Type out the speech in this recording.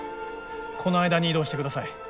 この間に移動してください。